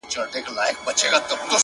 ماته خو اوس هم گران دى اوس يې هم يادوم،